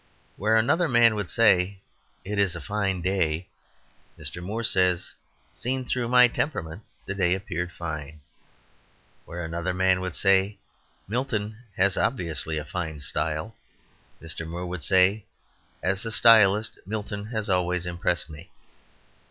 Where another man would say, "It is a fine day," Mr. Moore says, "Seen through my temperament, the day appeared fine." Where another man would say "Milton has obviously a fine style," Mr. Moore would say, "As a stylist Milton had always impressed me."